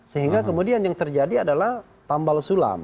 sehingga kemudian yang terjadi adalah tambal sulam